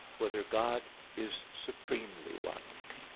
4] Whether God Is Supremely One?